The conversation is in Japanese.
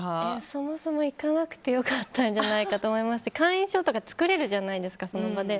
そもそも行かなくてよかったんじゃないかと思いますし会員証とか作れるじゃないですか、その場で。